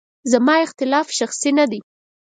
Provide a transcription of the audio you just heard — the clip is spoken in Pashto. زما اختلاف شخصي نه دی.